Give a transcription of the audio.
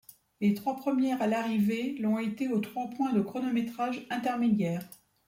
Les trois premières à l'arrivée l'ont été aux trois points de chronométrage intermédiaire.